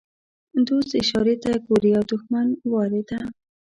دوست اشارې ته ګوري او دښمن وارې ته.